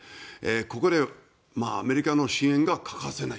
ここでアメリカの支援が欠かせない。